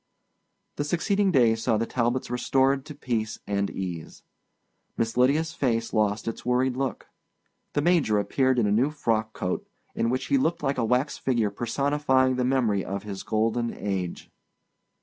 The succeeding days saw the Talbots restored to peace and ease. Miss Lydia's face lost its worried look. The major appeared in a new frock coat, in which he looked like a wax figure personifying the memory of his golden age.